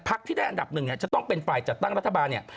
ที่ได้อันดับหนึ่งเนี่ยจะต้องเป็นฝ่ายจัดตั้งรัฐบาลเนี่ย